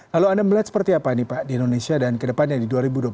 lalu anda melihat seperti apa ini pak di indonesia dan kedepannya di dua ribu dua puluh satu